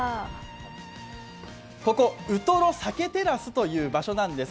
ここ、ウトロ鮭テラスという場所なんです。